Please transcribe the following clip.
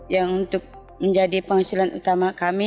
yang untuk menjadi penghasilan utama kami